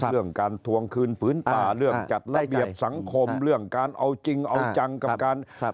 เรื่องการทวงคืนผืนป่าเรื่องจัดระเบียบสังคมเรื่องการเอาจริงเอาจังกับการครับ